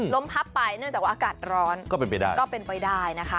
ลมพับไปเนื่องจากว่ากัดร้อนก็เป็นไปได้นะคะ